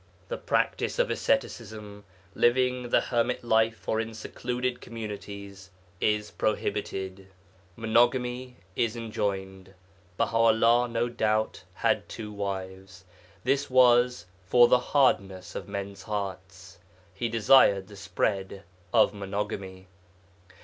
The practice of Asceticism, living the hermit life or in secluded communities, is prohibited. Monogamy is enjoined. Baha 'ullah, no doubt, had two wives. This was 'for the hardness of men's hearts'; he desired the spread of monogamy.